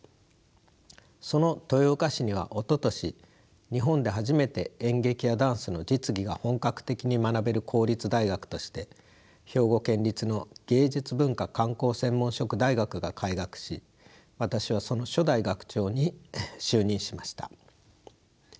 その豊岡市にはおととし日本で初めて演劇やダンスの実技が本格的に学べる公立大学として兵庫県立の芸術文化観光専門職大学が開学し私はその初代学長に就任しました。